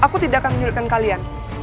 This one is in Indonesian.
aku tidak akan menyulitkan kalian